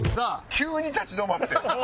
急に立ち止まって。